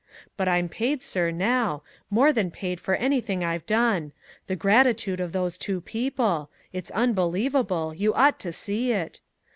But I'm paid, sir, now, more than paid for anything I've done, the gratitude of those two people it's unbelievable you ought to see it.